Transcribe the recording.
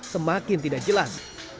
semakin tidak jelas